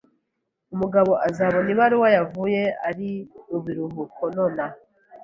Umugabo uzabona ibaruwa yavuye ari mubiruhuko nonaha.